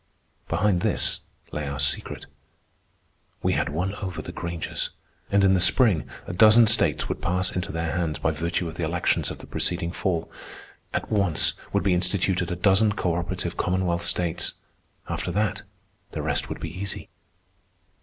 Behind this lay our secret. We had won over the Grangers, and in the spring a dozen states would pass into their hands by virtue of the elections of the preceding fall. At once would be instituted a dozen cooperative commonwealth states. After that, the rest would be easy.